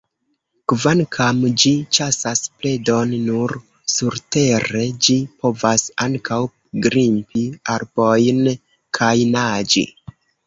Kvankam ĝi ĉasas predon nur surtere, ĝi povas ankaŭ grimpi arbojn kaj naĝi.